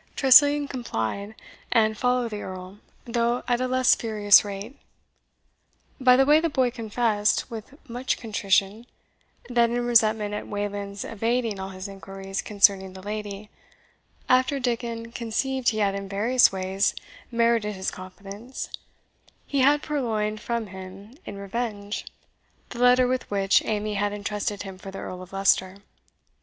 Tressilian complied, and followed the Earl, though at a less furious rate. By the way the boy confessed, with much contrition, that in resentment at Wayland's evading all his inquiries concerning the lady, after Dickon conceived he had in various ways merited his confidence, he had purloined from him in revenge the letter with which Amy had entrusted him for the Earl of Leicester.